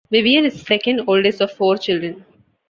Vivien is the second oldest of four children.